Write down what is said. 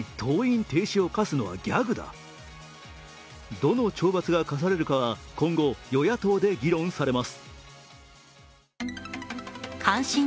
どの懲罰が科されるかは今後、与野党で議論されます。